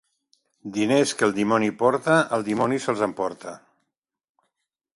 Diners que el dimoni porta, el dimoni se'ls emporta.